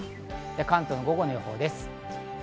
関東の午後の予報です。